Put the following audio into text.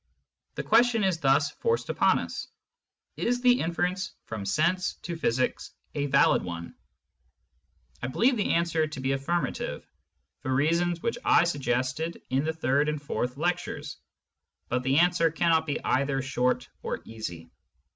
The question is thus forced upon us : Is the inference from sense to physics a valid one ? 1 believe the answer to be affirmative, for reasons which I suggested in the third and fourth lectures ; but the answer cannot be either short or easy.